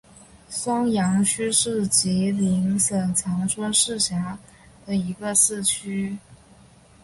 双阳区是吉林省长春市下辖的一个市辖区。